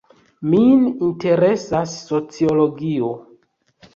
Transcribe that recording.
Min interesas sociologio.